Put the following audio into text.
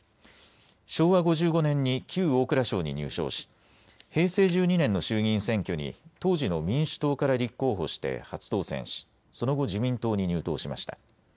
昭和５５年に旧大蔵省に入省し、平成１２年の衆議院選挙に当時の民主党から立候補して初当選しその後、自民党に入党しました。